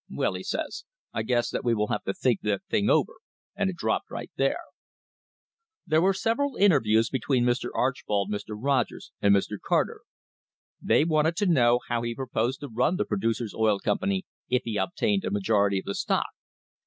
'Well/ he says, 'I guess that we will have to think that thing over/ and it dropped right there." There were several interviews between Mr. Archbold, Mr. Rogers and Mr. Carter. They wanted to know how he proposed to run the Producers' Oil Company if he obtained a majority of the stock.